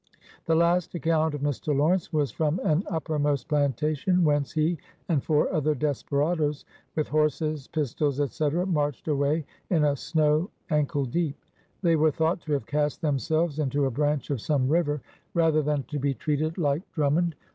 "The last account of Mr. Lawrence was from an uppermost plantation whence he and four other desperadoes with horses, pistols, etc., marched away in a snow ankle deep. They " were thought to have cast themselves into a branch of some river, rather than to be treated like Drum mond.'